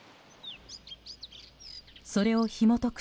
それをひも解く